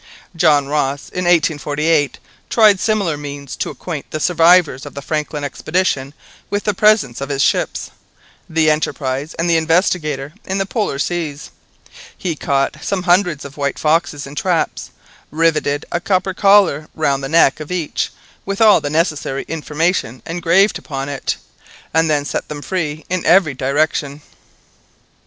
John Ross in 1848 tried similar means to acquaint the survivors of the Franklin expedition with the presence of his ships, the Enterprise and the Investigator in the Polar seas. He caught some hundreds of white foxes in traps, rivetted a copper collar round the neck of each with all the necessary information engraved upon it, and then set them free in every direction."